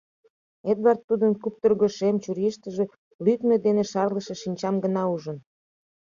Эдвард тудын куптыргышо шем чурийыштыже лӱдмӧ дене шарлыше шинчам гына ужын.